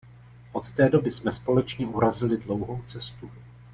Od té doby jsme společně urazili dlouhou cestu.